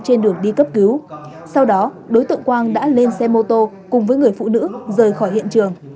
trên đường đi cấp cứu sau đó đối tượng quang đã lên xe mô tô cùng với người phụ nữ rời khỏi hiện trường